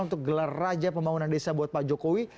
untuk gelar raja pembangunan desa buat pak jokowi